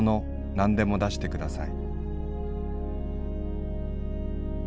何でも出してください」。